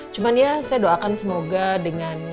cuman ya saya doakan semoga dengan